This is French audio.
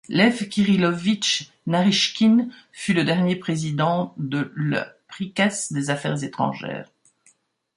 Lev Kirillovitch Narychkine fut le dernier président de le prikase des affaires étrangères.